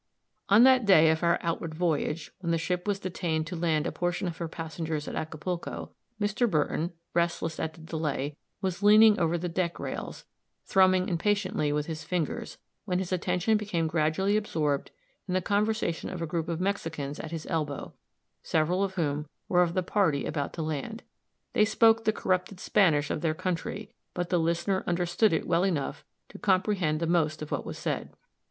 On that day of our outward voyage, when the ship was detained to land a portion of her passengers at Acapulco, Mr. Burton, restless at the delay, was leaning over the deck rails, thrumming impatiently with his fingers, when his attention became gradually absorbed in the conversation of a group of Mexicans at his elbow, several of whom were of the party about to land. They spoke the corrupted Spanish of their country; but the listener understood it well enough to comprehend the most of what was said.